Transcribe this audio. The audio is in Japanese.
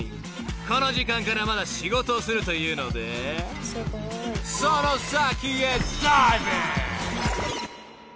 ［この時間からまだ仕事をするというのでその先へダイビング！］